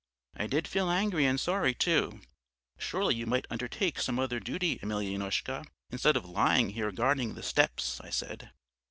"I did feel angry and sorry too. "'Surely you might undertake some other duty, Emelyanoushka, instead of lying here guarding the steps,' I said.